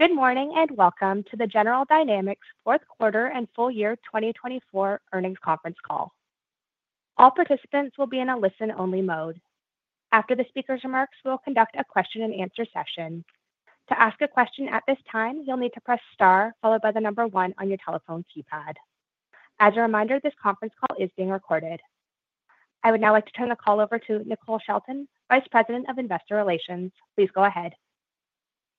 Good morning and welcome to the General Dynamics fourth quarter and full year 2024 earnings conference call. All participants will be in a listen-only mode. After the speaker's remarks, we'll conduct a question-and-answer session. To ask a question at this time, you'll need to press star followed by the number one on your telephone keypad. As a reminder, this conference call is being recorded. I would now like to turn the call over to Nicole Shelton, Vice President of Investor Relations. Please go ahead.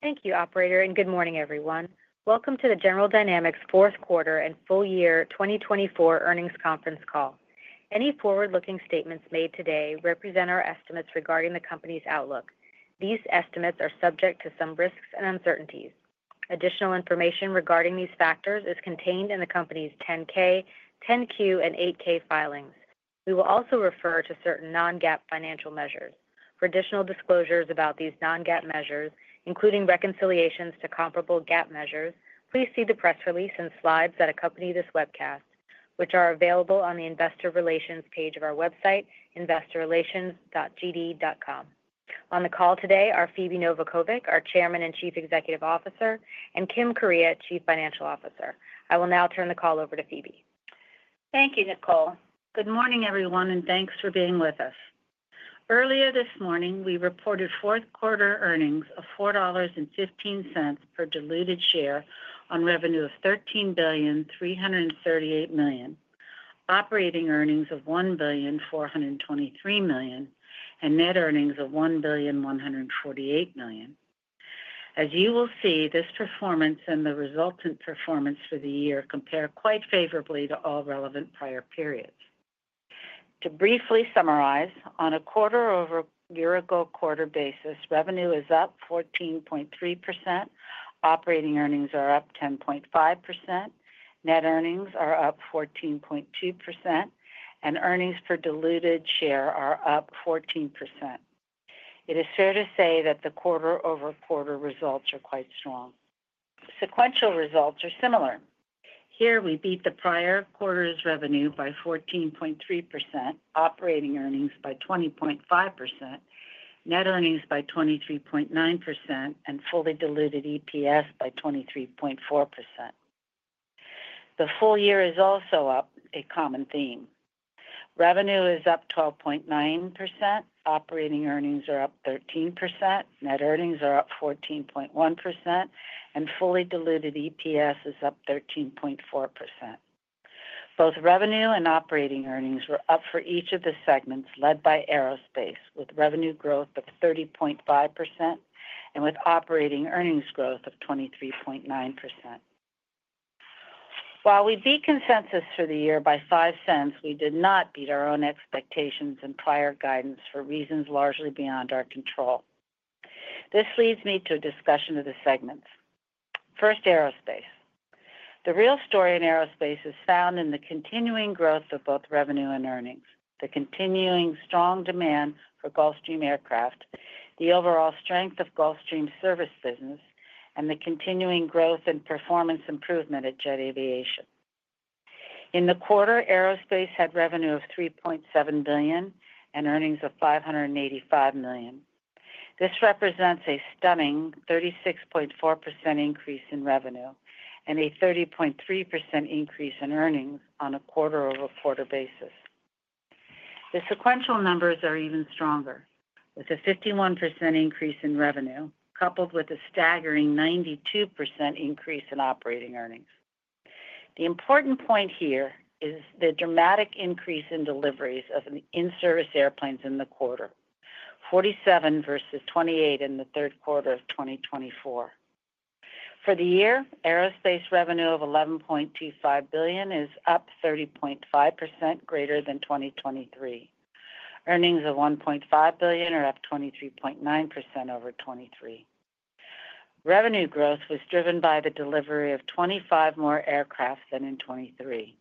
Thank you, Operator, and good morning, everyone. Welcome to the General Dynamics fourth quarter and full year 2024 earnings conference call. Any forward-looking statements made today represent our estimates regarding the company's outlook. These estimates are subject to some risks and uncertainties. Additional information regarding these factors is contained in the company's 10-K, 10-Q, and 8-K filings. We will also refer to certain non-GAAP financial measures. For additional disclosures about these non-GAAP measures, including reconciliations to comparable GAAP measures, please see the press release and slides that accompany this webcast, which are available on the Investor Relations page of our website, investorrelations.gd.com. On the call today are Phebe Novakovic, our Chairman and Chief Executive Officer, and Kim Kuryea, Chief Financial Officer. I will now turn the call over to Phebe. Thank you, Nicole. Good morning, everyone, and thanks for being with us. Earlier this morning, we reported fourth quarter earnings of $4.15 per diluted share on revenue of $13,338,000, operating earnings of $1,423,000, and net earnings of $1,148,000. As you will see, this performance and the resultant performance for the year compare quite favorably to all relevant prior periods. To briefly summarize, on a year-over-year basis, revenue is up 14.3%, operating earnings are up 10.5%, net earnings are up 14.2%, and earnings per diluted share are up 14%. It is fair to say that the quarter-over-quarter results are quite strong. Sequential results are similar. Here we beat the prior quarter's revenue by 14.3%, operating earnings by 20.5%, net earnings by 23.9%, and fully diluted EPS by 23.4%. The full year is also up, a common theme. Revenue is up 12.9%, operating earnings are up 13%, net earnings are up 14.1%, and fully diluted EPS is up 13.4%. Both revenue and operating earnings were up for each of the segments led by Aerospace, with revenue growth of 30.5% and with operating earnings growth of 23.9%. While we beat consensus for the year by $0.05, we did not beat our own expectations and prior guidance for reasons largely beyond our control. This leads me to a discussion of the segments. First, Aerospace. The real story in Aerospace is found in the continuing growth of both revenue and earnings, the continuing strong demand for Gulfstream aircraft, the overall strength of Gulfstream's service business, and the continuing growth and performance improvement at Jet Aviation. In the quarter, Aerospace had revenue of $3.7 billion and earnings of $585 million. This represents a stunning 36.4% increase in revenue and a 30.3% increase in earnings on a quarter-over-quarter basis. The sequential numbers are even stronger, with a 51% increase in revenue coupled with a staggering 92% increase in operating earnings. The important point here is the dramatic increase in deliveries of in-service airplanes in the quarter, 47 versus 28 in the third quarter of 2024. For the year, Aerospace revenue of $11.25 billion is up 30.5%, greater than 2023. Earnings of $1.5 billion are up 23.9% over 2023. Revenue growth was driven by the delivery of 25 more aircraft than in 2023.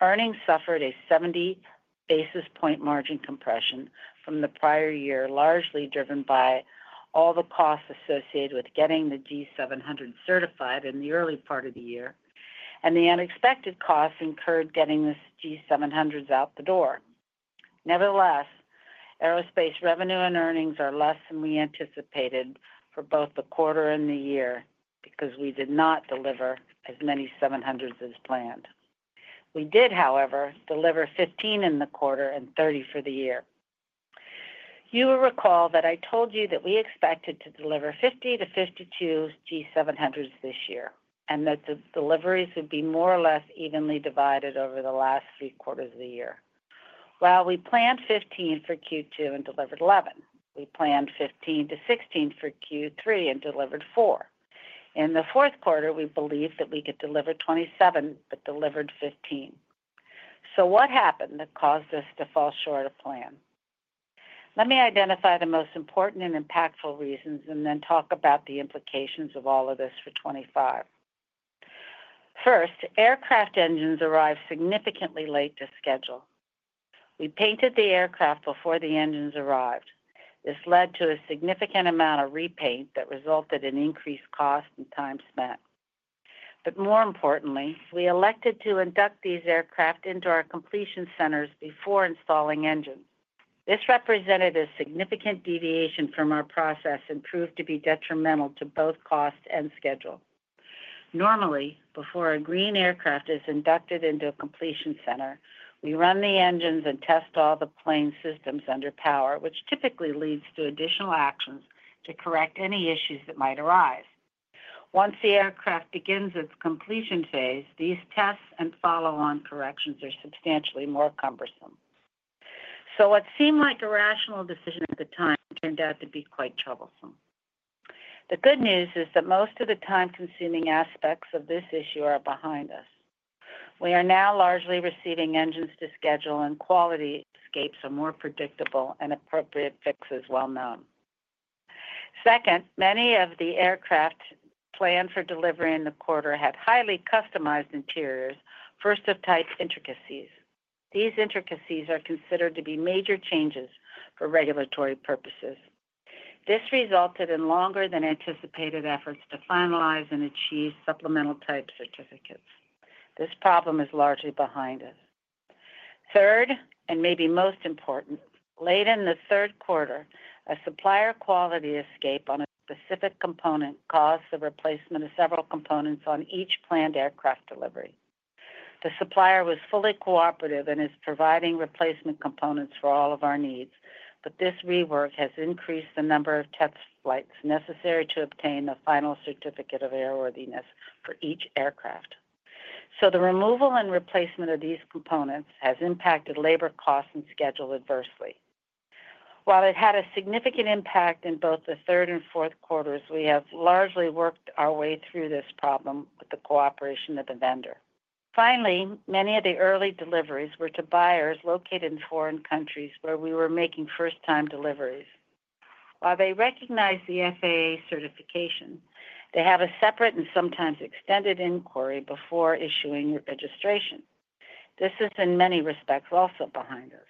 Earnings suffered a 70 basis point margin compression from the prior year, largely driven by all the costs associated with getting the G700 certified in the early part of the year, and the unexpected costs incurred getting the G700s out the door. Nevertheless, Aerospace revenue and earnings are less than we anticipated for both the quarter and the year because we did not deliver as many G700s as planned. We did, however, deliver 15 in the quarter and 30 for the year. You will recall that I told you that we expected to deliver 50 to 52 G700s this year and that the deliveries would be more or less evenly divided over the last three quarters of the year. Well, we planned 15 for Q2 and delivered 11. We planned 15 to 16 for Q3 and delivered four. In the fourth quarter, we believed that we could deliver 27 but delivered 15. So what happened that caused us to fall short of plan? Let me identify the most important and impactful reasons and then talk about the implications of all of this for 2025. First, aircraft engines arrived significantly late to schedule. We painted the aircraft before the engines arrived. This led to a significant amount of repaint that resulted in increased cost and time spent. But more importantly, we elected to induct these aircraft into our completion centers before installing engines. This represented a significant deviation from our process and proved to be detrimental to both cost and schedule. Normally, before a green aircraft is inducted into a completion center, we run the engines and test all the plane systems under power, which typically leads to additional actions to correct any issues that might arise. Once the aircraft begins its completion phase, these tests and follow-on corrections are substantially more cumbersome. So what seemed like a rational decision at the time turned out to be quite troublesome. The good news is that most of the time-consuming aspects of this issue are behind us. We are now largely receiving engines to schedule, and quality escapes are more predictable and appropriate fixes well known. Second, many of the aircraft planned for delivery in the quarter had highly customized interiors, first-of-type intricacies. These intricacies are considered to be major changes for regulatory purposes. This resulted in longer-than-anticipated efforts to finalize and achieve Supplemental Type Certificates. This problem is largely behind us. Third, and maybe most important, late in the third quarter, a supplier quality escape on a specific component caused the replacement of several components on each planned aircraft delivery. The supplier was fully cooperative and is providing replacement components for all of our needs, but this rework has increased the number of test flights necessary to obtain the final Certificate of Airworthiness for each aircraft, so the removal and replacement of these components has impacted labor costs and schedule adversely. While it had a significant impact in both the third and fourth quarters, we have largely worked our way through this problem with the cooperation of the vendor. Finally, many of the early deliveries were to buyers located in foreign countries where we were making first-time deliveries. While they recognize the FAA certification, they have a separate and sometimes extended inquiry before issuing registration. This is, in many respects, also behind us.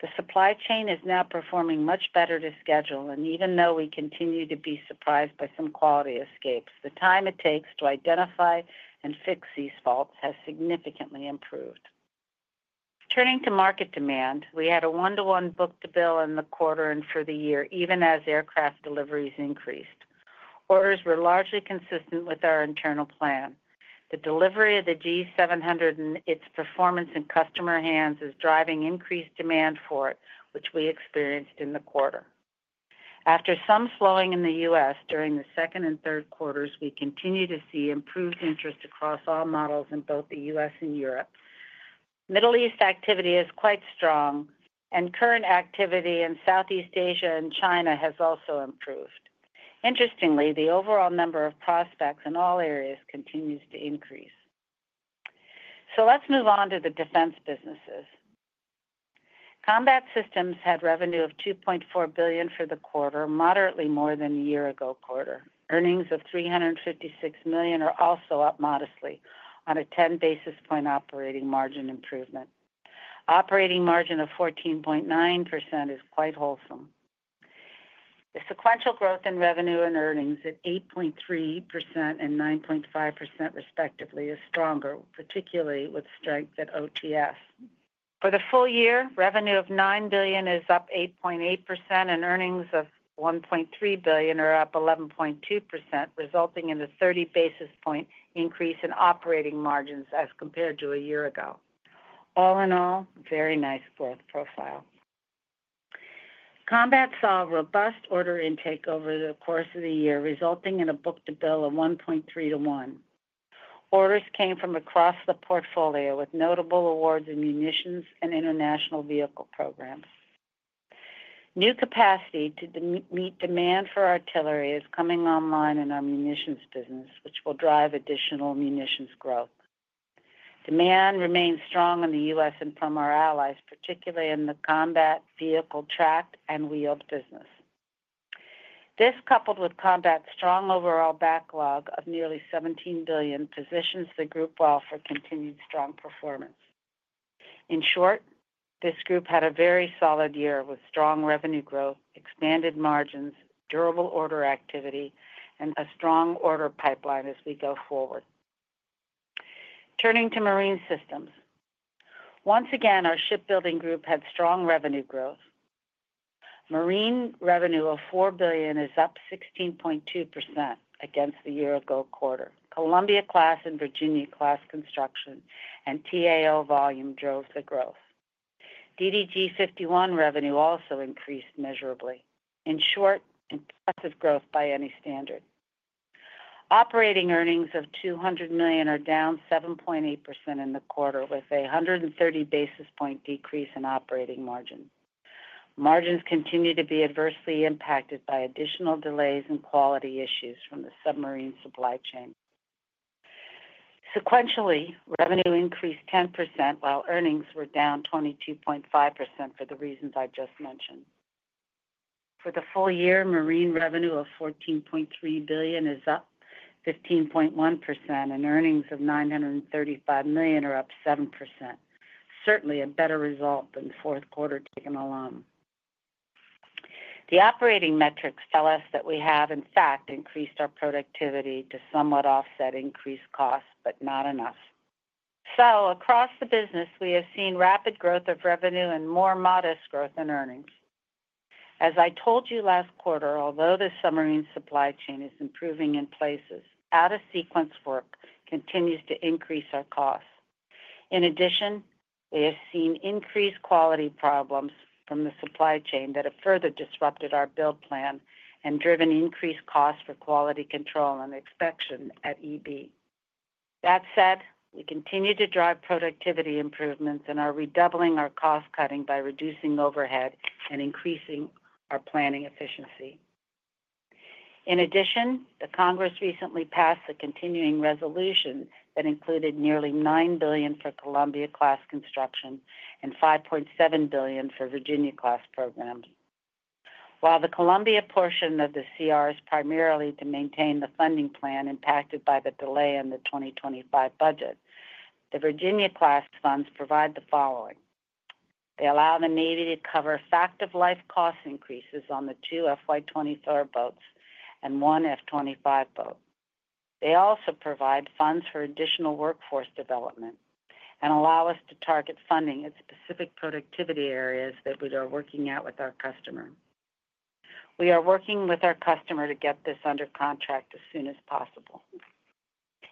The supply chain is now performing much better to schedule, and even though we continue to be surprised by some quality escapes, the time it takes to identify and fix these faults has significantly improved. Turning to market demand, we had a one-to-one book-to-bill in the quarter and for the year, even as aircraft deliveries increased. Orders were largely consistent with our internal plan. The delivery of the G700 and its performance in customer hands is driving increased demand for it, which we experienced in the quarter. After some slowing in the U.S. during the second and third quarters, we continue to see improved interest across all models in both the U.S. and Europe. Middle East activity is quite strong, and current activity in Southeast Asia and China has also improved. Interestingly, the overall number of prospects in all areas continues to increase. So let's move on to the defense businesses. Combat Systems had revenue of $2.4 billion for the quarter, moderately more than a year-ago quarter. Earnings of $356 million are also up modestly on a 10 basis point operating margin improvement. Operating margin of 14.9% is quite wholesome. The sequential growth in revenue and earnings at 8.3% and 9.5% respectively is stronger, particularly with strength at OTS. For the full year, revenue of $9 billion is up 8.8%, and earnings of $1.3 billion are up 11.2%, resulting in a 30 basis point increase in operating margins as compared to a year ago. All in all, very nice growth profile. Combat saw robust order intake over the course of the year, resulting in a book to bill of 1.3 to 1. Orders came from across the portfolio with notable awards in munitions and international vehicle programs. New capacity to meet demand for artillery is coming online in our munitions business, which will drive additional munitions growth. Demand remains strong in the U.S. and from our allies, particularly in the Combat vehicle tracked and wheeled business. This, coupled with Combat's strong overall backlog of nearly $17 billion, positions the group well for continued strong performance. In short, this group had a very solid year with strong revenue growth, expanded margins, durable order activity, and a strong order pipeline as we go forward. Turning to Marine Systems. Once again, our shipbuilding group had strong revenue growth. Marine revenue of $4 billion is up 16.2% against the year-ago quarter. Columbia-class and Virginia-class construction and T-AO volume drove the growth. DDG-51 revenue also increased measurably. In short, impressive growth by any standard. Operating earnings of $200 million are down 7.8% in the quarter, with a 130 basis point decrease in operating margin. Margins continue to be adversely impacted by additional delays and quality issues from the submarine supply chain. Sequentially, revenue increased 10% while earnings were down 22.5% for the reasons I just mentioned. For the full year, marine revenue of $14.3 billion is up 15.1%, and earnings of $935 million are up 7%. Certainly a better result than the fourth quarter taken alone. The operating metrics tell us that we have, in fact, increased our productivity to somewhat offset increased costs, but not enough. So across the business, we have seen rapid growth of revenue and more modest growth in earnings. As I told you last quarter, although the submarine supply chain is improving in places, out-of-sequence work continues to increase our costs. In addition, we have seen increased quality problems from the supply chain that have further disrupted our build plan and driven increased costs for quality control and inspection at EB. That said, we continue to drive productivity improvements and are redoubling our cost cutting by reducing overhead and increasing our planning efficiency. In addition, the Congress recently passed a continuing resolution that included nearly $9 billion for Columbia-class construction and $5.7 billion for Virginia-class programs. While the Columbia portion of the CR is primarily to maintain the funding plan impacted by the delay in the 2025 budget, the Virginia-class funds provide the following. They allow the Navy to cover fact-of-life cost increases on the two FY 2024 boats and one FY 2025 boat. They also provide funds for additional workforce development and allow us to target funding at specific productivity areas that we are working out with our customer. We are working with our customer to get this under contract as soon as possible.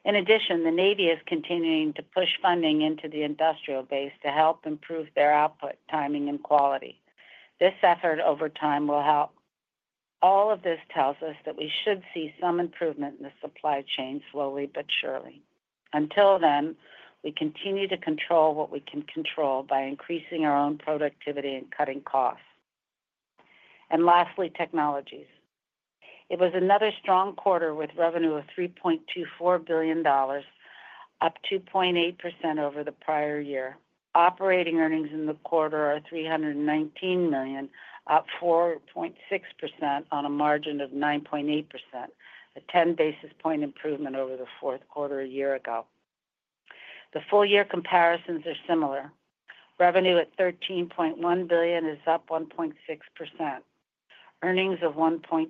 In addition, the Navy is continuing to push funding into the industrial base to help improve their output, timing, and quality. This effort over time will help. All of this tells us that we should see some improvement in the supply chain slowly but surely. Until then, we continue to control what we can control by increasing our own productivity and cutting costs. And lastly, Technologies. It was another strong quarter with revenue of $3.24 billion, up 2.8% over the prior year. Operating earnings in the quarter are $319 million, up 4.6% on a margin of 9.8%, a 10 basis point improvement over the fourth quarter a year ago. The full-year comparisons are similar. Revenue at $13.1 billion is up 1.6%. Earnings of $1.26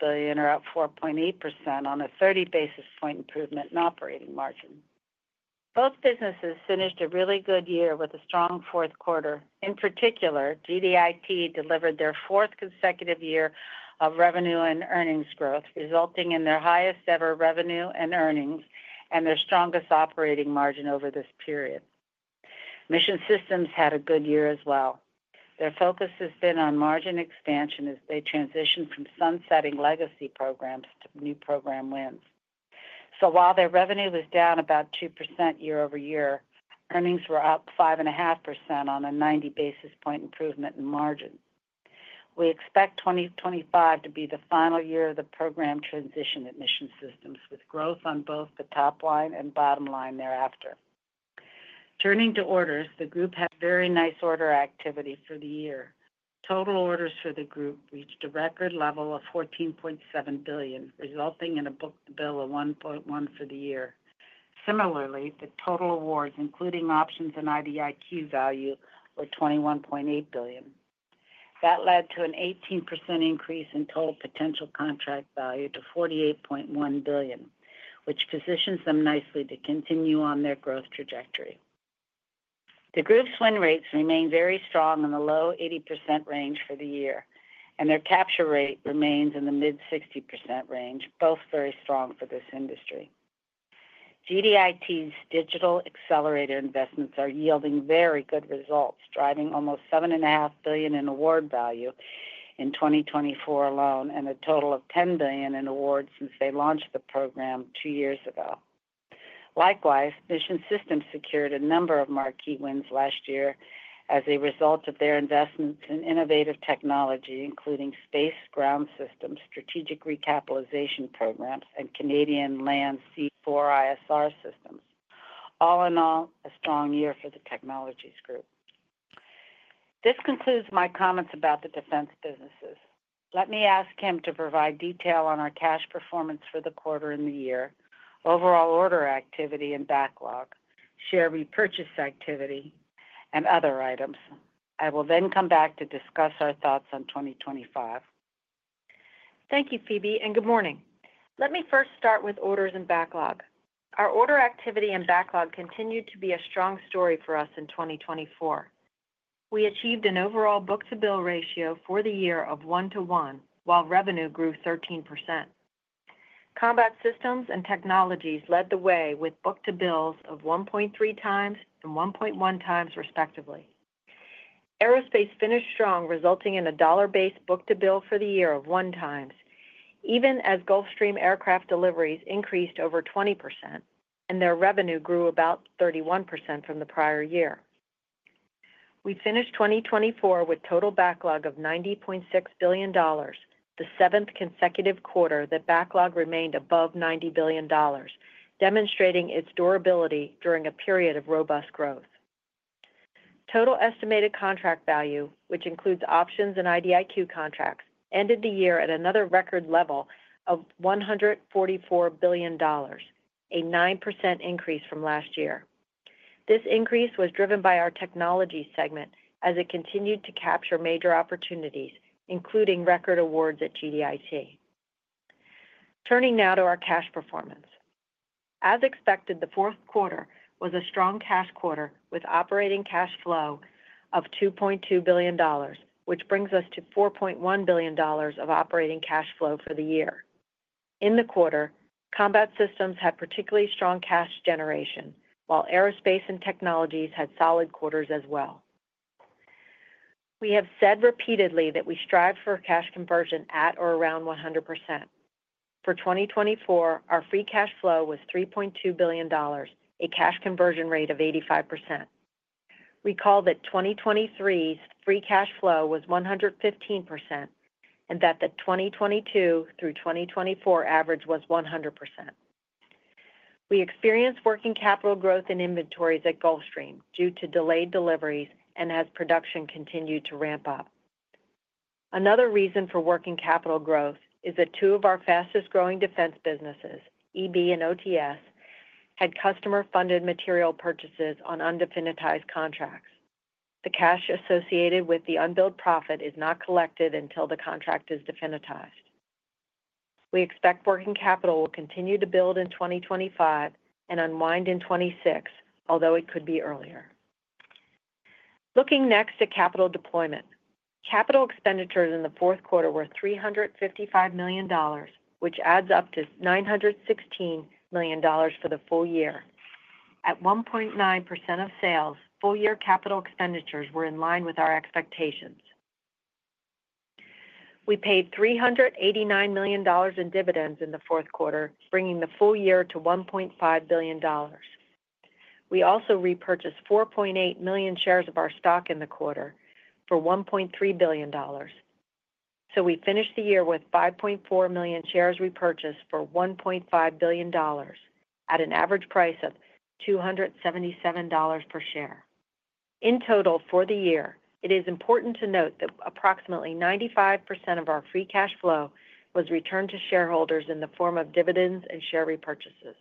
billion are up 4.8% on a 30 basis point improvement in operating margin. Both businesses finished a really good year with a strong fourth quarter. In particular, GDIT delivered their fourth consecutive year of revenue and earnings growth, resulting in their highest-ever revenue and earnings and their strongest operating margin over this period. Mission Systems had a good year as well. Their focus has been on margin expansion as they transitioned from sunsetting legacy programs to new program wins. So while their revenue was down about 2% year-over-year, earnings were up 5.5% on a 90 basis point improvement in margin. We expect 2025 to be the final year of the program transition at Mission Systems, with growth on both the top line and bottom line thereafter. Turning to orders, the group had very nice order activity for the year. Total orders for the group reached a record level of $14.7 billion, resulting in a book to bill of 1.1 for the year. Similarly, the total awards, including options and IDIQ value, were $21.8 billion. That led to an 18% increase in total potential contract value to $48.1 billion, which positions them nicely to continue on their growth trajectory. The group's win rates remain very strong in the low 80% range for the year, and their capture rate remains in the mid-60% range, both very strong for this industry. GDIT's Digital Accelerator investments are yielding very good results, driving almost $7.5 billion in award value in 2024 alone and a total of $10 billion in awards since they launched the program two years ago. Likewise, Mission Systems secured a number of marquee wins last year as a result of their investments in innovative technology, including space ground systems, strategic recapitalization programs, and Canadian Land C4ISR systems. All in all, a strong year for the Technologies group. This concludes my comments about the defense businesses. Let me ask Kim to provide detail on our cash performance for the quarter and the year, overall order activity and backlog, share repurchase activity, and other items. I will then come back to discuss our thoughts on 2025. Thank you, Phebe, and good morning. Let me first start with orders and backlog. Our order activity and backlog continue to be a strong story for us in 2024. We achieved an overall book-to-bill ratio for the year of 1-to-1, while revenue grew 13%. Combat Systems and Technologies led the way with book-to-bills of 1.3 times and 1.1 times, respectively. Aerospace finished strong, resulting in a dollar-based book-to-bill for the year of 1 times, even as Gulfstream aircraft deliveries increased over 20% and their revenue grew about 31% from the prior year. We finished 2024 with total backlog of $90.6 billion, the seventh consecutive quarter that backlog remained above $90 billion, demonstrating its durability during a period of robust growth. Total estimated contract value, which includes options and IDIQ contracts, ended the year at another record level of $144 billion, a 9% increase from last year. This increase was driven by our technology segment as it continued to capture major opportunities, including record awards at GDIT. Turning now to our cash performance. As expected, the fourth quarter was a strong cash quarter with operating cash flow of $2.2 billion, which brings us to $4.1 billion of operating cash flow for the year. In the quarter, Combat Systems had particularly strong cash generation, while Aerospace and Technologies had solid quarters as well. We have said repeatedly that we strive for cash conversion at or around 100%. For 2024, our free cash flow was $3.2 billion, a cash conversion rate of 85%. Recall that 2023's free cash flow was 115% and that the 2022 through 2024 average was 100%. We experienced working capital growth in inventories at Gulfstream due to delayed deliveries and as production continued to ramp up. Another reason for working capital growth is that two of our fastest-growing defense businesses, EB and OTS, had customer-funded material purchases on undefinitized contracts. The cash associated with the unbilled profit is not collected until the contract is definitized. We expect working capital will continue to build in 2025 and unwind in 2026, although it could be earlier. Looking next at capital deployment, capital expenditures in the fourth quarter were $355 million, which adds up to $916 million for the full year. At 1.9% of sales, full-year capital expenditures were in line with our expectations. We paid $389 million in dividends in the fourth quarter, bringing the full year to $1.5 billion. We also repurchased 4.8 million shares of our stock in the quarter for $1.3 billion. We finished the year with 5.4 million shares repurchased for $1.5 billion at an average price of $277 per share. In total for the year, it is important to note that approximately 95% of our free cash flow was returned to shareholders in the form of dividends and share repurchases.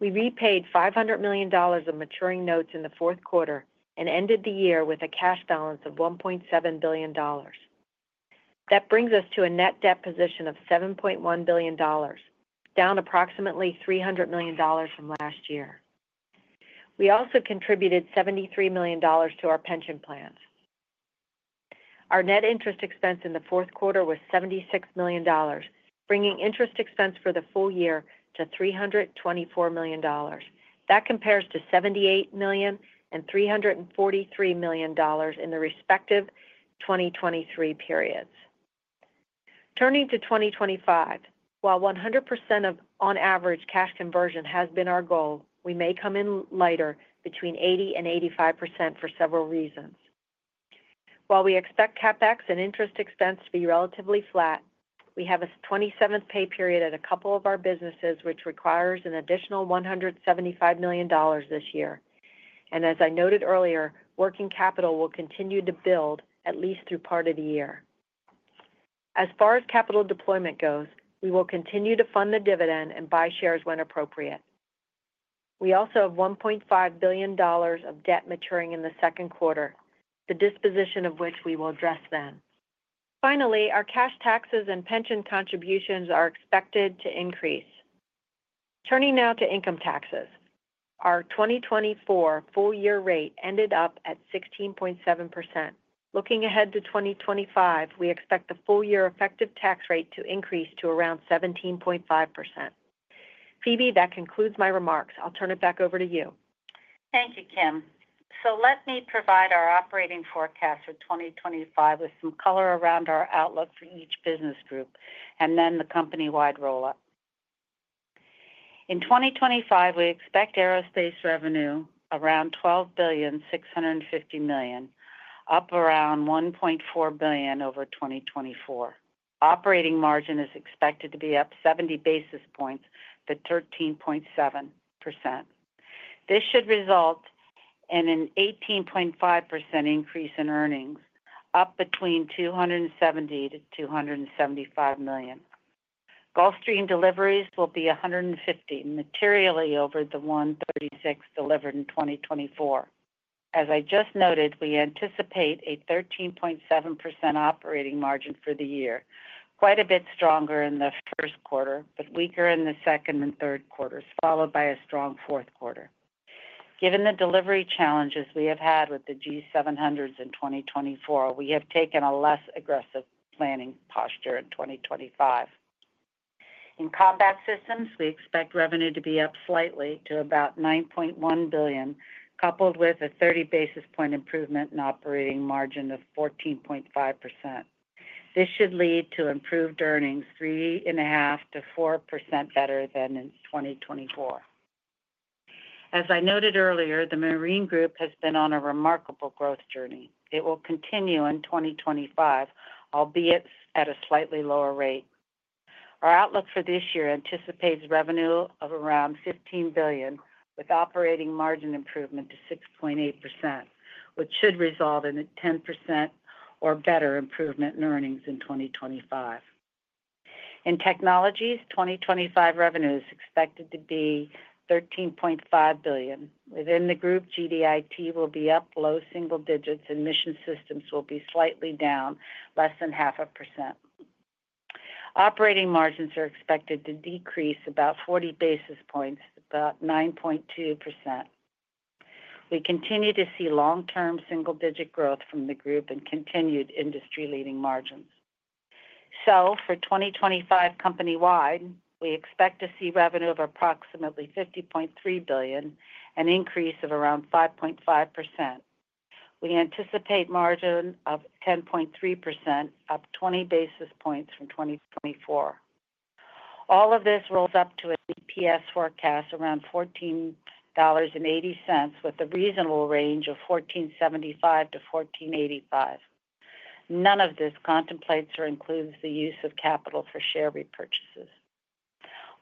We repaid $500 million of maturing notes in the fourth quarter and ended the year with a cash balance of $1.7 billion. That brings us to a net debt position of $7.1 billion, down approximately $300 million from last year. We also contributed $73 million to our pension plans. Our net interest expense in the fourth quarter was $76 million, bringing interest expense for the full year to $324 million. That compares to $78 million and $343 million in the respective 2023 periods. Turning to 2025, while 100% of on average cash conversion has been our goal, we may come in lighter between 80% and 85% for several reasons. While we expect CapEx and interest expense to be relatively flat, we have a 27th pay period at a couple of our businesses, which requires an additional $175 million this year. And as I noted earlier, working capital will continue to build at least through part of the year. As far as capital deployment goes, we will continue to fund the dividend and buy shares when appropriate. We also have $1.5 billion of debt maturing in the second quarter, the disposition of which we will address then. Finally, our cash taxes and pension contributions are expected to increase. Turning now to income taxes, our 2024 full-year rate ended up at 16.7%. Looking ahead to 2025, we expect the full-year effective tax rate to increase to around 17.5%. Phebe, that concludes my remarks. I'll turn it back over to you. Thank you, Kim. So let me provide our operating forecast for 2025 with some color around our outlook for each business group and then the company-wide roll-up. In 2025, we expect Aerospace revenue around $12.65 billion, up around $1.4 billion over 2024. Operating margin is expected to be up 70 basis points to 13.7%. This should result in an 18.5% increase in earnings, up between $270 million to $275 million. Gulfstream deliveries will be 150 materially over the 136 delivered in 2024. As I just noted, we anticipate a 13.7% operating margin for the year, quite a bit stronger in the first quarter, but weaker in the second and third quarters, followed by a strong fourth quarter. Given the delivery challenges we have had with the G700s in 2024, we have taken a less aggressive planning posture in 2025. In Combat Systems, we expect revenue to be up slightly to about $9.1 billion, coupled with a 30 basis point improvement in operating margin of 14.5%. This should lead to improved earnings 3.5%-4% better than in 2024. As I noted earlier, the Marine Group has been on a remarkable growth journey. It will continue in 2025, albeit at a slightly lower rate. Our outlook for this year anticipates revenue of around $15 billion, with operating margin improvement to 6.8%, which should result in a 10% or better improvement in earnings in 2025. In Technologies, 2025 revenue is expected to be $13.5 billion. Within the group, GDIT will be up low single digits, and Mission Systems will be slightly down, less than 0.5%. Operating margins are expected to decrease about 40 basis points, about 9.2%. We continue to see long-term single-digit growth from the group and continued industry-leading margins. So for 2025 company-wide, we expect to see revenue of approximately $50.3 billion, an increase of around 5.5%. We anticipate margin of 10.3%, up 20 basis points from 2024. All of this rolls up to an EPS forecast around $14.80, with a reasonable range of $14.75-$14.85. None of this contemplates or includes the use of capital for share repurchases.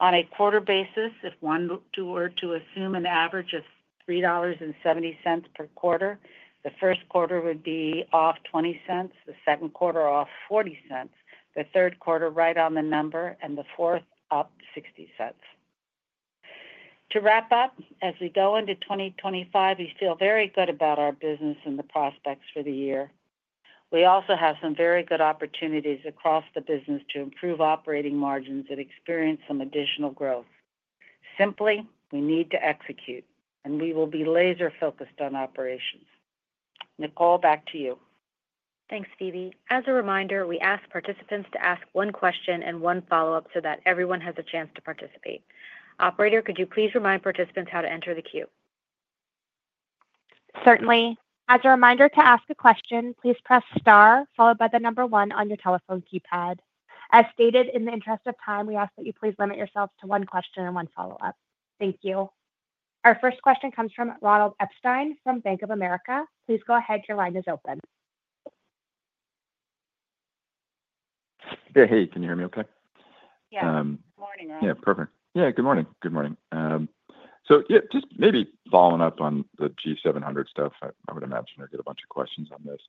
On a quarter basis, if one were to assume an average of $3.70 per quarter, the first quarter would be off $0.20, the second quarter off $0.40, the third quarter right on the number, and the fourth up $0.60. To wrap up, as we go into 2025, we feel very good about our business and the prospects for the year. We also have some very good opportunities across the business to improve operating margins and experience some additional growth. Simply, we need to execute, and we will be laser-focused on operations. Nicole, back to you. Thanks, Phebe. As a reminder, we ask participants to ask one question and one follow-up so that everyone has a chance to participate. Operator, could you please remind participants how to enter the queue? Certainly. As a reminder to ask a question, please press star, followed by the number one on your telephone keypad. As stated, in the interest of time, we ask that you please limit yourselves to one question and one follow-up. Thank you. Our first question comes from Ronald Epstein from Bank of America. Please go ahead. Your line is open. Hey, can you hear me okay? Yeah. Good morning, Ronald. Yeah, perfect. Yeah, good morning. Good morning. Just maybe following up on the G700 stuff, I would imagine there'd be a bunch of questions on this.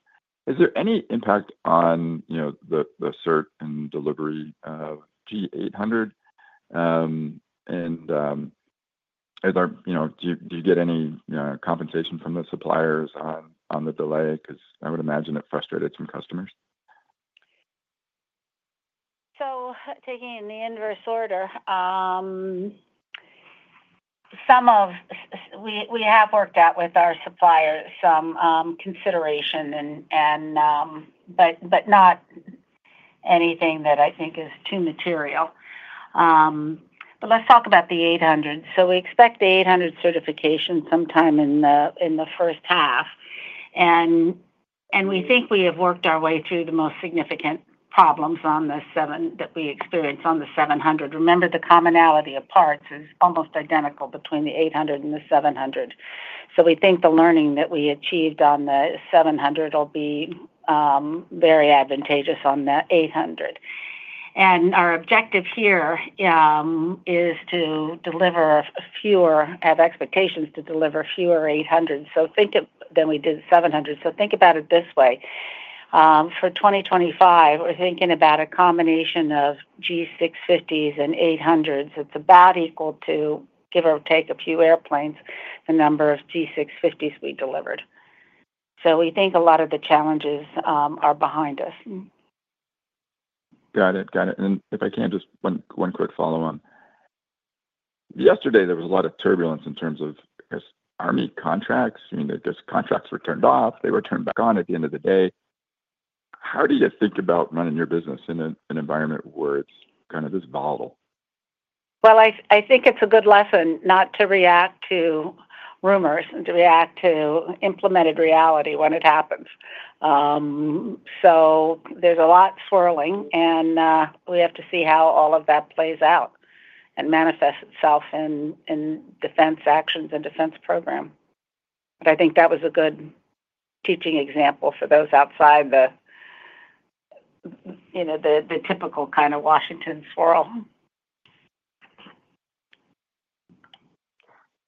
Is there any impact on the cert and delivery of G800? And do you get any compensation from the suppliers on the delay? Because I would imagine it frustrated some customers. Taking in the inverse order, we have worked out with our suppliers some consideration, but not anything that I think is too material. Let's talk about the 800. We expect the 800 certification sometime in the first half. And we think we have worked our way through the most significant problems that we experienced on the 700. Remember, the commonality of parts is almost identical between the 800 and the 700. We think the learning that we achieved on the 700 will be very advantageous on the 800. Our objective here is to deliver fewer. I have expectations to deliver fewer 800s than we did 700s. So think about it this way. For 2025, we're thinking about a combination of G650s and 800s. It's about equal to, give or take, a few airplanes, the number of G650s we delivered. So we think a lot of the challenges are behind us. Got it. Got it. And if I can, just one quick follow-up. Yesterday, there was a lot of turbulence in terms of Army contracts. I mean, there were contracts that were turned off. They were turned back on at the end of the day. How do you think about running your business in an environment where it's kind of this volatile? Well, I think it's a good lesson not to react to rumors and to react to implemented reality when it happens. So there's a lot swirling, and we have to see how all of that plays out and manifests itself in defense actions and defense program. But I think that was a good teaching example for those outside the typical kind of Washington swirl.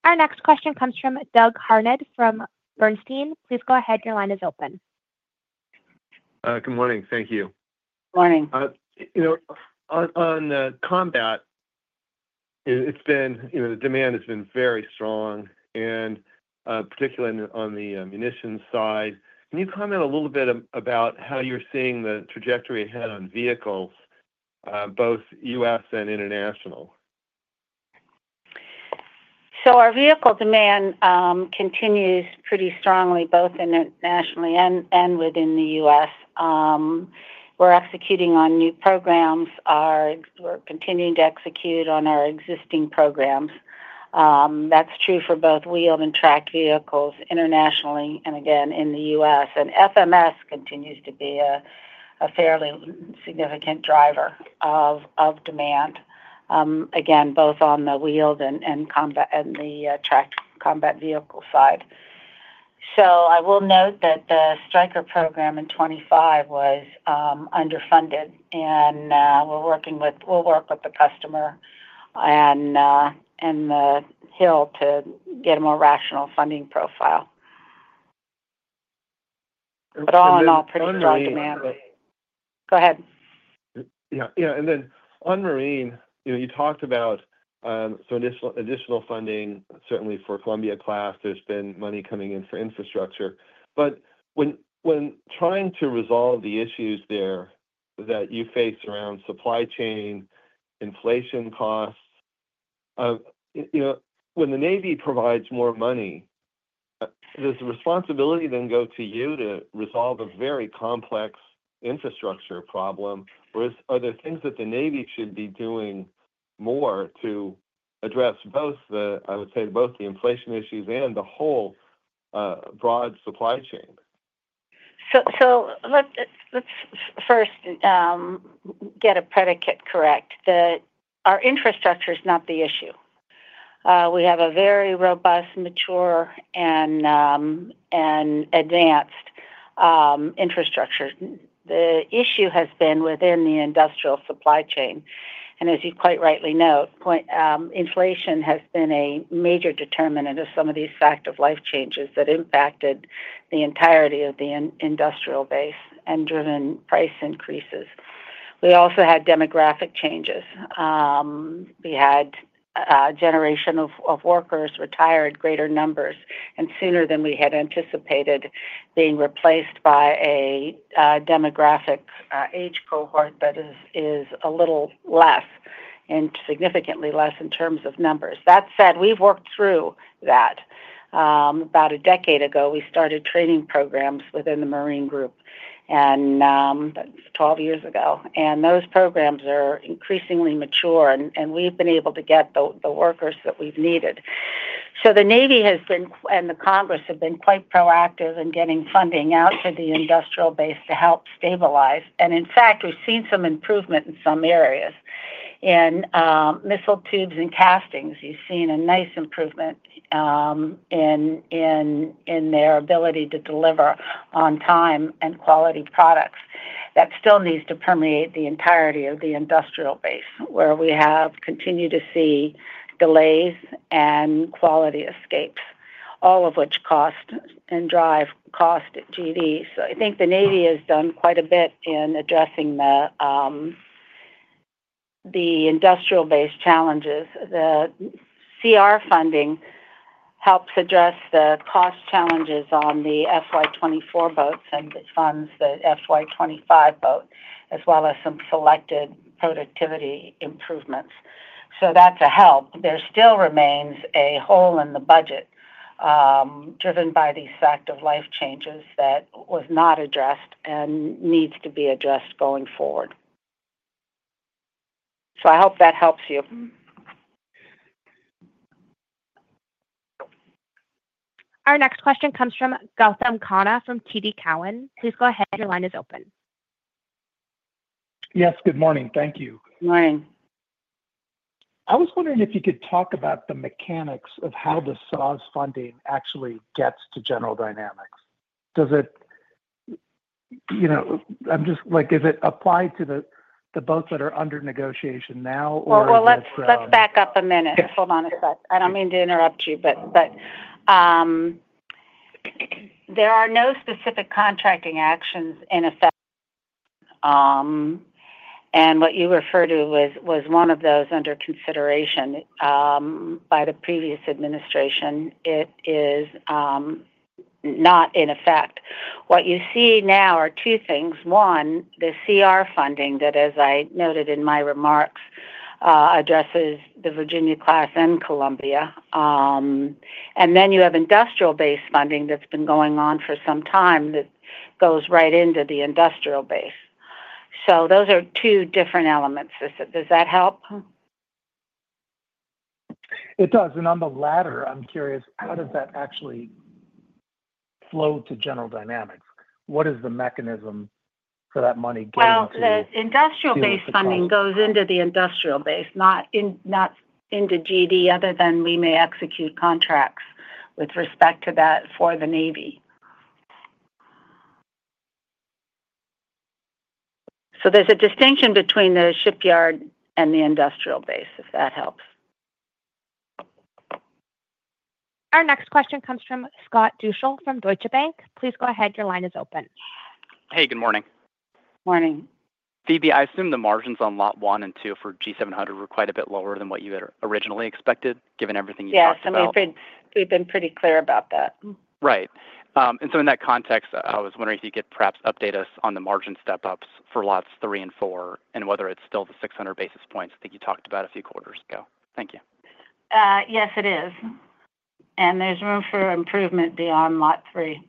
Our next question comes from Doug Harned from Bernstein. Please go ahead. Your line is open. Good morning. Thank you. Morning. On Combat, the demand has been very strong, and particularly on the munitions side. Can you comment a little bit about how you're seeing the trajectory ahead on vehicles, both U.S. and international? So our vehicle demand continues pretty strongly, both internationally and within the U.S. We're executing on new programs. We're continuing to execute on our existing programs. That's true for both wheeled and tracked vehicles internationally and, again, in the U.S. FMS continues to be a fairly significant driver of demand, again, both on the wheeled and the tracked Combat vehicle side. I will note that the Stryker program in 2025 was underfunded, and we'll work with the customer and the Hill to get a more rational funding profile. All in all, pretty strong demand. Go ahead. Yeah. Then on Marine, you talked about some additional funding, certainly for Columbia-class. There's been money coming in for infrastructure. When trying to resolve the issues there that you face around supply chain, inflation costs, when the Navy provides more money, does the responsibility then go to you to resolve a very complex infrastructure problem, or are there things that the Navy should be doing more to address, I would say, both the inflation issues and the whole broad supply chain? Let's first get a predicate correct. Our infrastructure is not the issue. We have a very robust, mature, and advanced infrastructure. The issue has been within the industrial supply chain, and as you quite rightly note, inflation has been a major determinant of some of these fact-of-life changes that impacted the entirety of the industrial base and driven price increases. We also had demographic changes. We had a generation of workers retire in greater numbers and sooner than we had anticipated, being replaced by a demographic age cohort that is a little less and significantly less in terms of numbers. That said, we've worked through that. About a decade ago, we started training programs within the Marine Systems, and that's 12 years ago, and those programs are increasingly mature, and we've been able to get the workers that we've needed. So the Navy and the Congress have been quite proactive in getting funding out to the industrial base to help stabilize. And in fact, we've seen some improvement in some areas. In missile tubes and castings, you've seen a nice improvement in their ability to deliver on time and quality products. That still needs to permeate the entirety of the industrial base, where we have continued to see delays and quality escapes, all of which drive cost growths. So I think the Navy has done quite a bit in addressing the industrial base challenges. The CR funding helps address the cost challenges on the FY 2024 boats and funds the FY25 boat, as well as some selected productivity improvements. So that's a help. There still remains a hole in the budget driven by these fact-of-life changes that was not addressed and needs to be addressed going forward. So I hope that helps you. Our next question comes from Gautam Khanna from TD Cowen. Please go ahead. Your line is open. Yes. Good morning. Thank you. Good morning. I was wondering if you could talk about the mechanics of how the SARs funding actually gets to General Dynamics. I'm just like, is it applied to the boats that are under negotiation now, or? Well, let's back up a minute. Hold on a sec. I don't mean to interrupt you, but there are no specific contracting actions in effect. And what you refer to was one of those under consideration by the previous administration. It is not in effect. What you see now are two things. One, the CR funding that, as I noted in my remarks, addresses the Virginia-class and Columbia-class. And then you have industrial-based funding that's been going on for some time that goes right into the industrial base. So those are two different elements. Does that help? It does. And on the latter, I'm curious, how does that actually flow to General Dynamics? What is the mechanism for that money getting to the Navy? Well, the industrial-based funding goes into the industrial base, not into GD, other than we may execute contracts with respect to that for the Navy. So there's a distinction between the shipyard and the industrial base, if that helps. Our next question comes from Scott Deuschle from Deutsche Bank. Please go ahead. Your line is open. Hey, good morning. Morning. Phebe, I assume the margins on Lot 1 and 2 for G700 were quite a bit lower than what you had originally expected, given everything you talked about. Yeah. So we've been pretty clear about that. Right. And so in that context, I was wondering if you could perhaps update us on the margin step-ups for Lots 3 and 4, and whether it's still the 600 basis points that you talked about a few quarters ago. Thank you. Yes, it is. And there's room for improvement beyond Lot 3.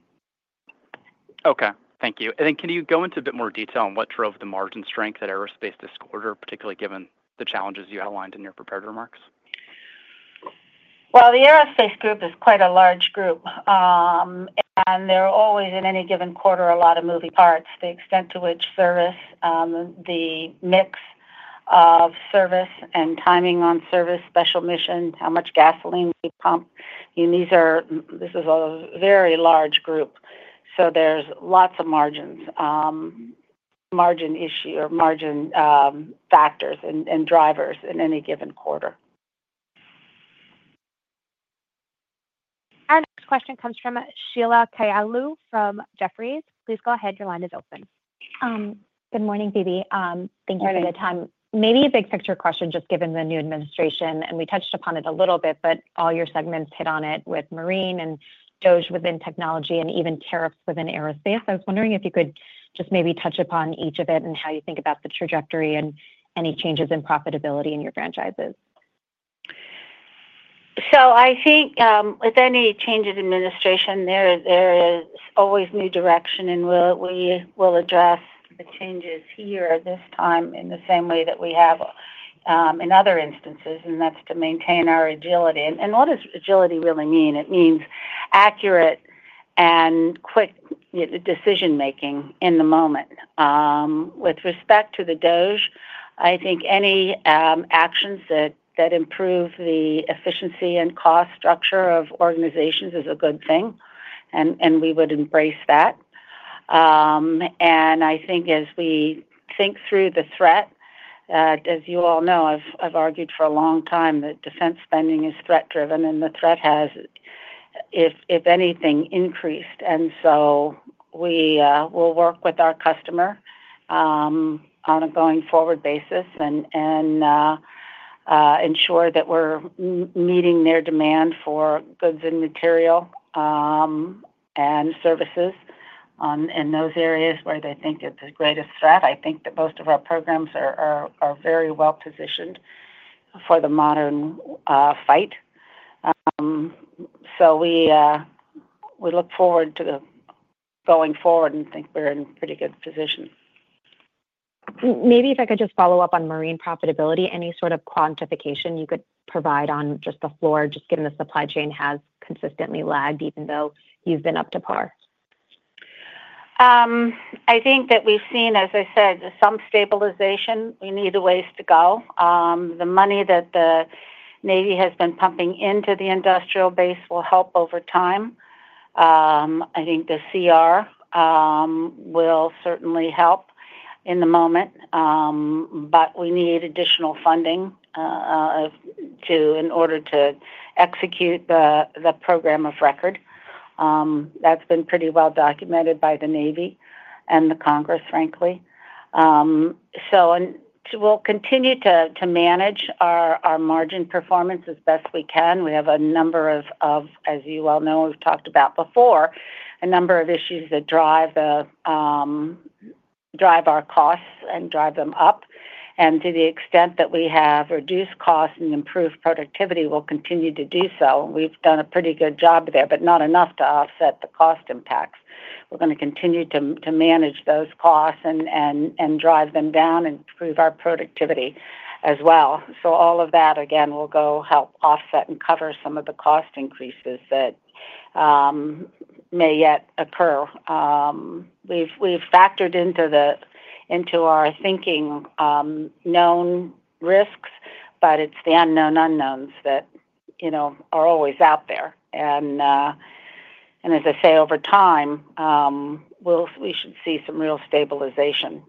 Okay. Thank you. And then can you go into a bit more detail on what drove the margin strength at Aerospace this quarter, particularly given the challenges you outlined in your prepared remarks? Well, the Aerospace group is quite a large group. And there are always, in any given quarter, a lot of moving parts. The extent to which service, the mix of service and timing on service, special mission, how much gasoline we pump. I mean, this is a very large group. So there's lots of margin issues or margin factors and drivers in any given quarter. Our next question comes from Sheila Kahyaoglu from Jefferies. Please go ahead. Your line is open. Good morning, Phebe. Thank you for the time. Maybe a big-picture question, just given the new administration. And we touched upon it a little bit, but all your segments hit on it with Marine and DOGE within technology and even tariffs within Aerospace. I was wondering if you could just maybe touch upon each of it and how you think about the trajectory and any changes in profitability in your franchises. So I think with any change in administration, there is always new direction, and we will address the changes here this time in the same way that we have in other instances. And that's to maintain our agility. And what does agility really mean? It means accurate and quick decision-making in the moment. With respect to the DOGE, I think any actions that improve the efficiency and cost structure of organizations is a good thing, and we would embrace that. And I think as we think through the threat, as you all know, I've argued for a long time that defense spending is threat-driven, and the threat has, if anything, increased. And so we will work with our customer on a going-forward basis and ensure that we're meeting their demand for goods and material and services in those areas where they think it's the greatest threat. I think that most of our programs are very well-positioned for the modern fight. So we look forward to going forward and think we're in pretty good position. Maybe if I could just follow up on Marine profitability, any sort of quantification you could provide on just the floor, just given the supply chain has consistently lagged, even though you've been up to par? I think that we've seen, as I said, some stabilization. We need a ways to go. The money that the Navy has been pumping into the industrial base will help over time. I think the CR will certainly help in the moment, but we need additional funding in order to execute the program of record. That's been pretty well-documented by the Navy and the Congress, frankly. So we'll continue to manage our margin performance as best we can. We have a number of, as you all know, we've talked about before, a number of issues that drive our costs and drive them up. To the extent that we have reduced costs and improved productivity, we'll continue to do so. We've done a pretty good job there, but not enough to offset the cost impacts. We're going to continue to manage those costs and drive them down and improve our productivity as well. So all of that, again, will go help offset and cover some of the cost increases that may yet occur. We've factored into our thinking known risks, but it's the unknown unknowns that are always out there. As I say, over time, we should see some real stabilization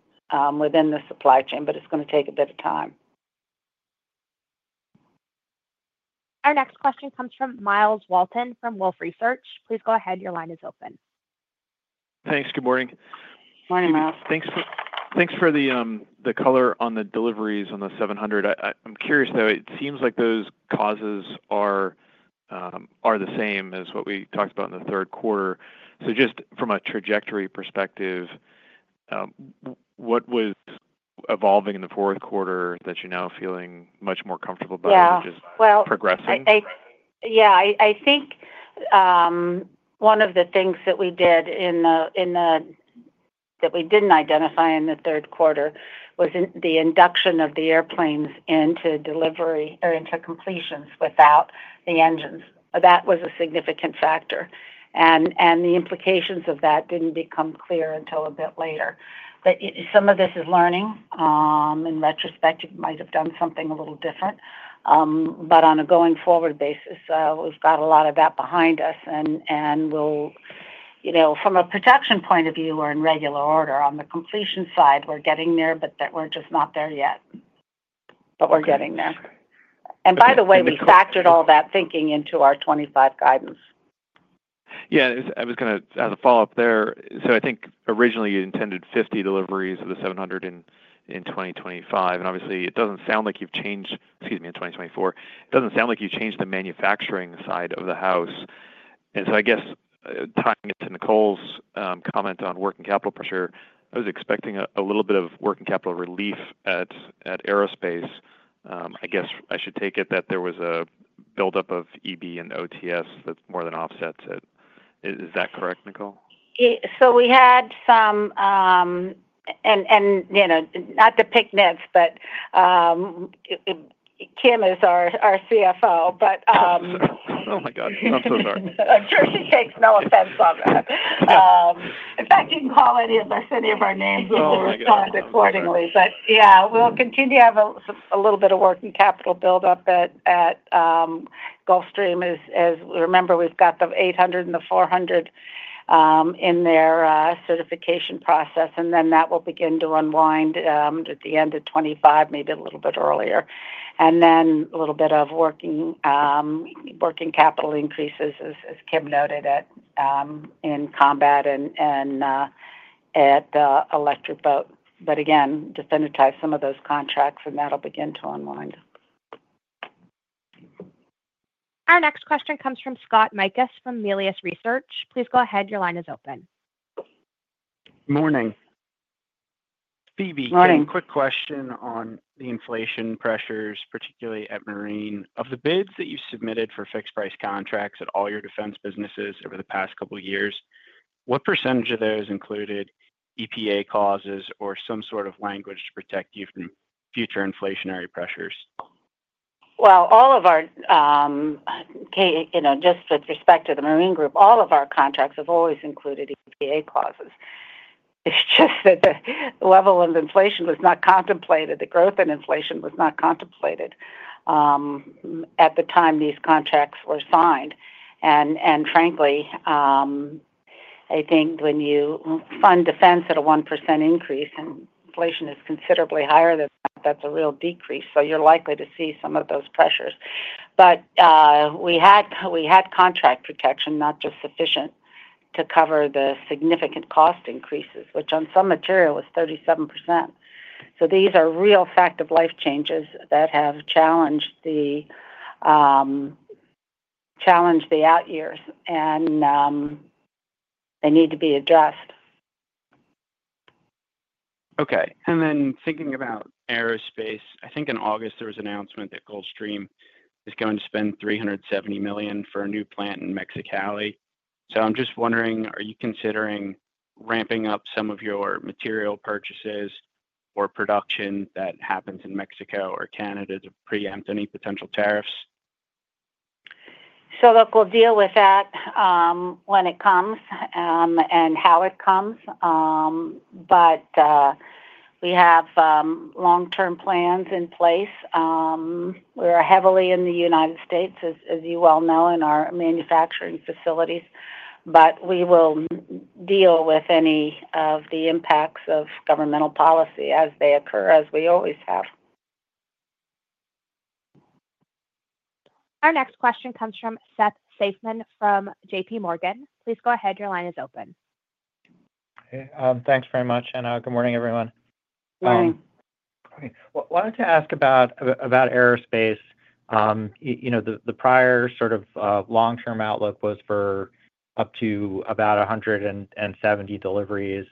within the supply chain, but it's going to take a bit of time. Our next question comes from Myles Walton from Wolfe Research. Please go ahead. Your line is open. Thanks. Good morning. Morning, Myles. Thanks for the color on the deliveries on the 700. I'm curious, though. It seems like those causes are the same as what we talked about in the third quarter. So just from a trajectory perspective, what was evolving in the fourth quarter that you're now feeling much more comfortable about than just progressing? Yeah. I think one of the things that we did in that we didn't identify in the third quarter was the induction of the airplanes into delivery or into completions without the engines. That was a significant factor. And the implications of that didn't become clear until a bit later. But some of this is learning. In retrospect, you might have done something a little different. But on a going-forward basis, we've got a lot of that behind us. And from a production point of view, we're in regular order. On the completion side, we're getting there, but we're just not there yet. But we're getting there. And by the way, we factored all that thinking into our 2025 guidance. Yeah. I was going to add a follow-up there. So I think originally you intended 50 deliveries of the 700 in 2025. And obviously, it doesn't sound like you've changed, excuse me, in 2024. It doesn't sound like you've changed the manufacturing side of the house. And so I guess tying it to Nicole's comment on working capital pressure, I was expecting a little bit of working capital relief at Aerospace. I guess I should take it that there was a buildup of EB and OTS that more than offsets it. Is that correct, Nicole? So we had some, and not to pick Nics, but Kim is our CFO, but. Oh, my God. I'm so sorry. I'm sure she takes no offense on that. In fact, you can call any of us any of our names. We'll respond accordingly. But yeah, we'll continue to have a little bit of working capital buildup at Gulfstream. As we remember, we've got the G800 and the G400 in their certification process. And then that will begin to unwind at the end of 2025, maybe a little bit earlier. And then a little bit of working capital increases, as Kim noted, in Combat and at Electric Boat. But again, to finish some of those contracts, and that'll begin to unwind. Our next question comes from Scott Mikus from Melius Research. Please go ahead. Your line is open. Morning, Phebe. Morning. Quick question on the inflation pressures, particularly at Marine. Of the bids that you submitted for fixed-price contracts at all your defense businesses over the past couple of years, what percentage of those included EPA clauses or some sort of language to protect you from future inflationary pressures? All of our, just with respect to the Marine group, all of our contracts have always included EPA clauses. It's just that the level of inflation was not contemplated. The growth in inflation was not contemplated at the time these contracts were signed. Frankly, I think when you fund defense at a 1% increase and inflation is considerably higher than that, that's a real decrease. You're likely to see some of those pressures. We had contract protection, not just sufficient to cover the significant cost increases, which on some material was 37%. So these are real fact-of-life changes that have challenged the out years, and they need to be addressed. Okay. Then thinking about Aerospace, I think in August there was an announcement that Gulfstream is going to spend $370 million for a new plant in Mexicali. So I'm just wondering, are you considering ramping up some of your material purchases or production that happens in Mexico or Canada to preempt any potential tariffs? So look, we'll deal with that when it comes and how it comes. But we have long-term plans in place. We are heavily in the United States, as you well know, in our manufacturing facilities. But we will deal with any of the impacts of governmental policy as they occur, as we always have. Our next question comes from Seth Seifman from JPMorgan. Please go ahead. Your line is open. Thanks very much, Anna. Good morning, everyone. Morning. Well, I wanted to ask about Aerospace. The prior sort of long-term outlook was for up to about 170 deliveries.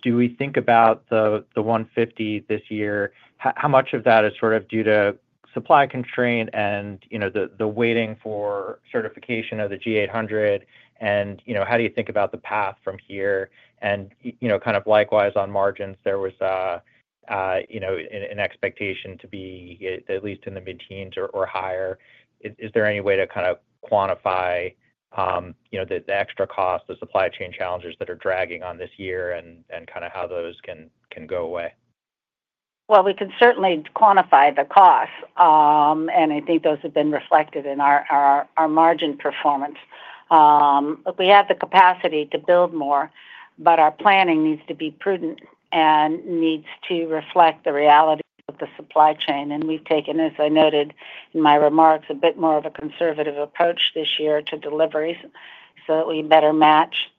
Do we think about the 150 this year? How much of that is sort of due to supply constraint and the waiting for certification of the G800? And how do you think about the path from here? And kind of likewise on margins, there was an expectation to be at least in the mid-teens or higher. Is there any way to kind of quantify the extra cost, the supply chain challenges that are dragging on this year, and kind of how those can go away? Well, we can certainly quantify the cost. And I think those have been reflected in our margin performance. Look, we have the capacity to build more, but our planning needs to be prudent and needs to reflect the reality of the supply chain. We've taken, as I noted in my remarks, a bit more of a conservative approach this year to deliveries so that we better match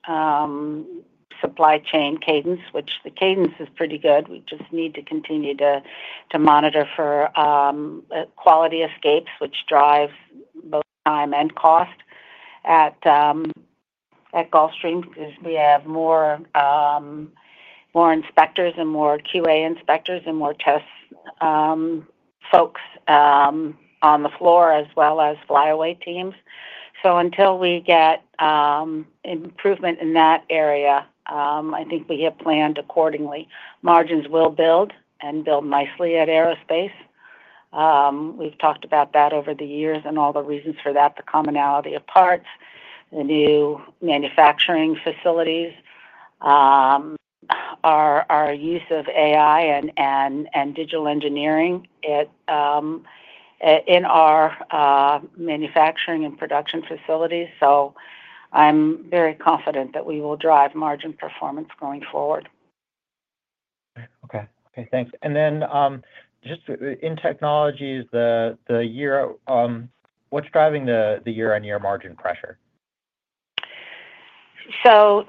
supply chain cadence, which the cadence is pretty good. We just need to continue to monitor for quality escapes, which drives both time and cost at Gulfstream because we have more inspectors and more QA inspectors and more test folks on the floor as well as flyaway teams. So until we get improvement in that area, I think we have planned accordingly. Margins will build and build nicely at Aerospace. We've talked about that over the years and all the reasons for that, the commonality of parts, the new manufacturing facilities, our use of AI and digital engineering in our manufacturing and production facilities. So I'm very confident that we will drive margin performance going forward. Okay. Okay. Thanks. And then just in Technologies, what's driving the year-on-year margin pressure? So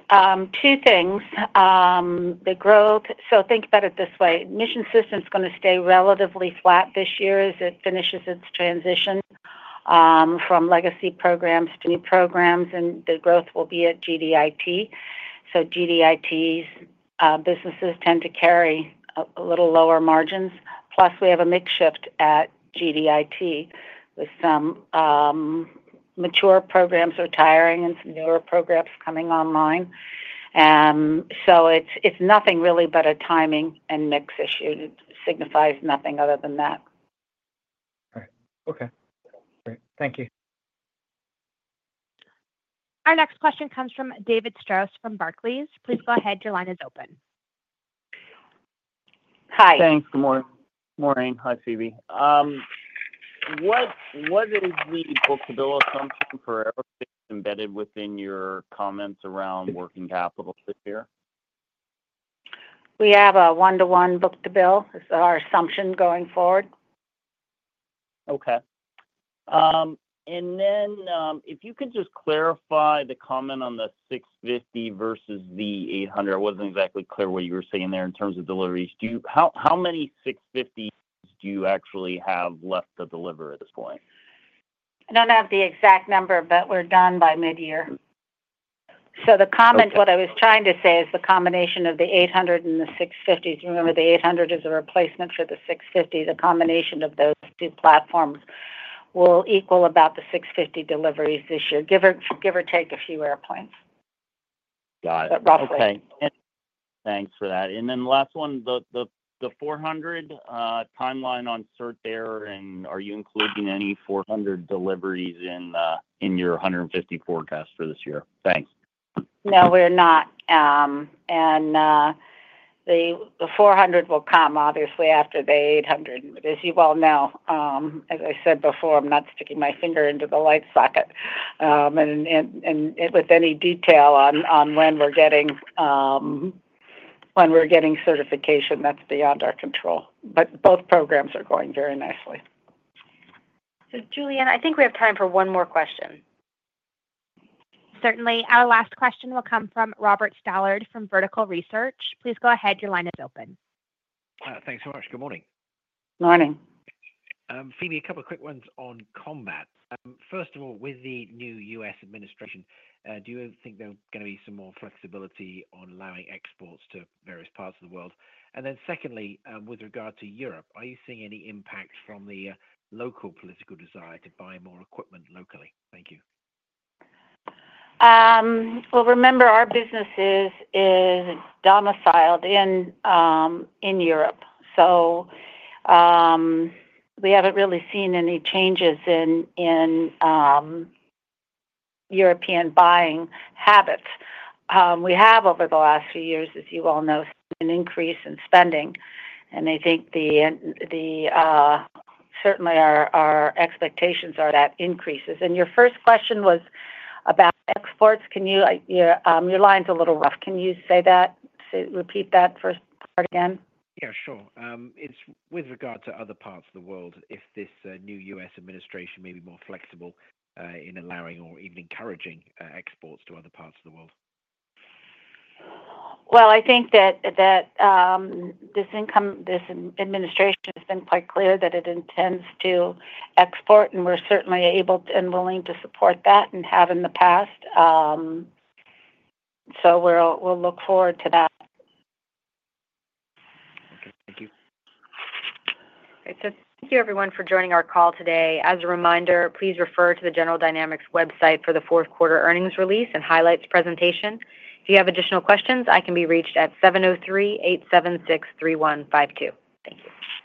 two things. So think about it this way. Mission Systems is going to stay relatively flat this year as it finishes its transition from legacy programs to new programs, and the growth will be at GDIT. So GDIT's businesses tend to carry a little lower margins. Plus, we have a mix shift at GDIT with some mature programs retiring and some newer programs coming online. So it's nothing really but a timing and mix issue. It signifies nothing other than that. All right. Okay. Great. Thank you. Our next question comes from David Strauss from Barclays. Please go ahead. Your line is open. Hi. Thanks. Good morning. Morning. Hi, Phebe. What is the book-to-bill assumption for Aerospace embedded within your comments around working capital this year? We have a one-to-one book-to-bill as our assumption going forward. Okay. And then if you could just clarify the comment on the G650 versus the G800. I wasn't exactly clear what you were saying there in terms of deliveries. How many G650s do you actually have left to deliver at this point? I don't have the exact number, but we're done by mid-year. So the comment, what I was trying to say, is the combination of the G800 and the G650s. Remember, the G800 is a replacement for the G650. The combination of those two platforms will equal about the G650 deliveries this year, give or take a few airplanes. Got it. Okay. Thanks for that. And then the last one, the G400 timeline on certification, and are you including any G400 deliveries in your 150 forecast for this year? Thanks. No, we're not. And the G400 will come, obviously, after the G800. But as you well know, as I said before, I'm not sticking my finger into the light socket with any detail on when we're getting certification. That's beyond our control. Both programs are going very nicely. Juliana, I think we have time for one more question. Certainly. Our last question will come from Robert Stallard from Vertical Research. Please go ahead. Your line is open. Thanks so much. Good morning. Morning. Phebe, a couple of quick ones on Combat. First of all, with the new U.S. administration, do you think there'll going to be some more flexibility on allowing exports to various parts of the world? And then secondly, with regard to Europe, are you seeing any impact from the local political desire to buy more equipment locally? Thank you. Remember, our business is domiciled in Europe. So we haven't really seen any changes in European buying habits. We have, over the last few years, as you well know, seen an increase in spending. And I think certainly our expectations are that increases. And your first question was about exports. Your line's a little rough. Can you say that? Repeat that first part again? Yeah. Sure. It's with regard to other parts of the world, if this new U.S. administration may be more flexible in allowing or even encouraging exports to other parts of the world? Well, I think that this administration has been quite clear that it intends to export, and we're certainly able and willing to support that and have in the past. So we'll look forward to that. Okay. Thank you. All right. So thank you, everyone, for joining our call today. As a reminder, please refer to the General Dynamics website for the fourth quarter earnings release and highlights presentation. If you have additional questions, I can be reached at 703-876-3152. Thank you.